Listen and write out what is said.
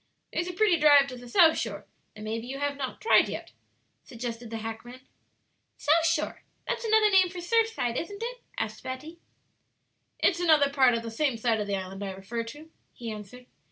"There's a pretty drive to the South Shore, that maybe you have not tried yet," suggested the hackman. "South Shore? That's another name for Surfside, isn't it?" asked Betty. "It's another part of the same side of the island I refer to," he answered.